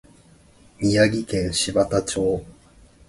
宮城県柴田町